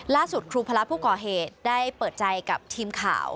ล่าสุดครูพระรับผู้ก่อเหตุได้เปิดใจกับทีมข่าว